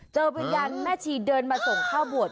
เจอวิญญาณแม่ชีเดินมาส่งข้าวบวช